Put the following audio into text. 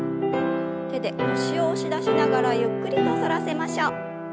手で腰を押し出しながらゆっくりと反らせましょう。